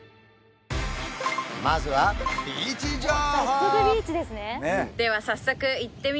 まずはビーチ情報！